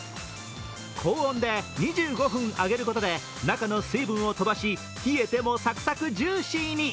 高温で２５分揚げることで中の水分を飛ばし冷えてもサクサク、ジューシーに。